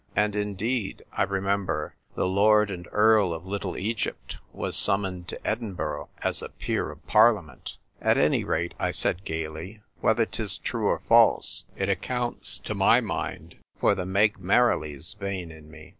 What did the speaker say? And, indeed, I remember the ' Lord and Earl of Little Egypt * was sum moned to Edinburgh as a peer of parliament." "At any rate," I said gaily, "whether 'tis true or false, it accounts, to my mind, for the Meg Merrilies vein in me.